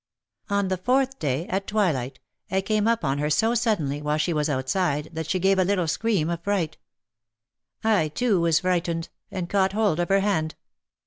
On the fourth day, at twilight, I came up on her so suddenly, while she was outside, that she gave a little scream of fright. I, too, was frightened, and caught hold of her hand.